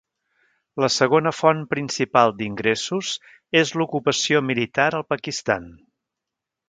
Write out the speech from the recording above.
La segona font principal d'ingressos és l'ocupació militar al Pakistan.